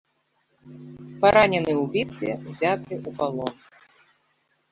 Паранены ў бітве, узяты ў палон.